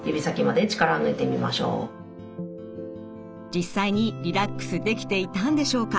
実際にリラックスできていたんでしょうか。